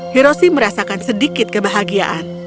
hiroshi merasakan sedikit kebahagiaan